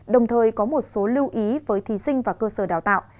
đồng thời có một số lưu ý với thí sinh và cơ sở đào tạo